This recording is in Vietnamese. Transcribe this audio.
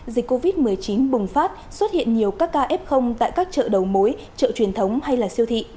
dịch covid một mươi chín bùng phát xuất hiện nhiều các ca f tại các chợ đầu mối chợ truyền thống hay siêu thị